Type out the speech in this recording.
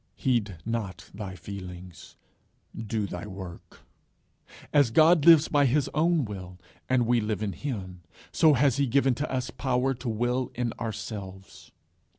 Heed not thy feelings: Do thy work. As God lives by his own will, and we live in him, so has he given to us power to will in ourselves.